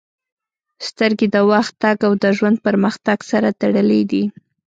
• سترګې د وخت تګ او د ژوند پرمختګ سره تړلې دي.